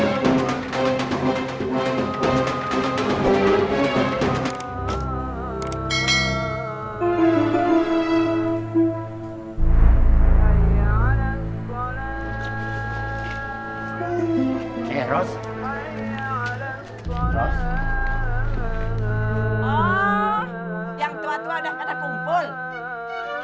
oh yang tua tua udah pada kumpul